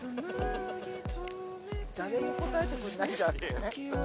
誰も応えてくれないじゃん。